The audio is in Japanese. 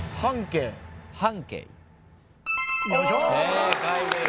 正解です。